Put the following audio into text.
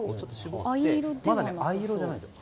まだ藍色じゃないんです。